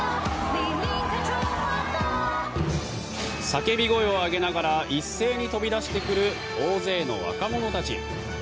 叫び声を上げながら一斉に飛び出してくる大勢の若者たち。